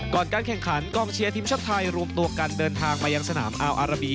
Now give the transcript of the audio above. การแข่งขันกองเชียร์ทีมชาติไทยรวมตัวกันเดินทางมายังสนามอาวอาราบี